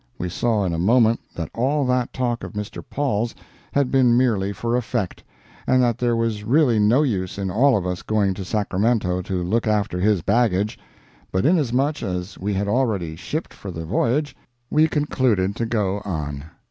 We saw in a moment that all that talk of Mr. Paul's had been merely for effect, and that there was really no use in all of us going to Sacramento to look after his baggage; but inasmuch as we had already shipped for the voyage, we concluded to go on.